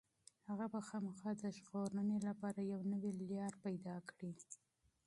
هغه به خامخا د ژغورنې یوه نوې لاره پيدا کړي.